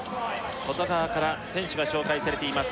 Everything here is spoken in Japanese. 外側から選手が紹介されています